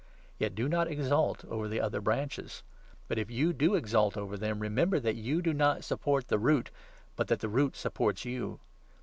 Yet do not exult over the 18 other branches. But, if you do exult over them, remember that you do not support the root, but that the root supports you.